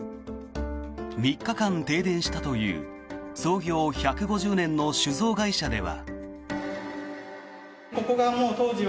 ３日間停電したという創業１５０年の酒造会社では。